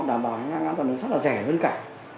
đảm bảo hành án an toàn ngân sách là rẻ hơn cả